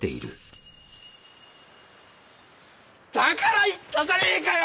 だから言ったじゃねえかよ！